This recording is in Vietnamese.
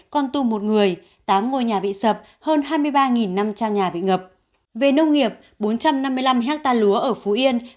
con tum một người tám ngôi nhà bị sập hơn hai mươi ba năm trăm linh nhà bị ngập về nông nghiệp bốn trăm năm mươi năm hectare lúa ở phú yên